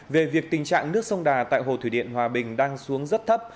về việc tình trạng nước sông đà tại hồ thủy điện hòa bình đang xuống rất thấp